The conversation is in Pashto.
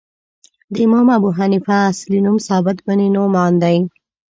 د امام ابو حنیفه اصلی نوم ثابت بن نعمان دی .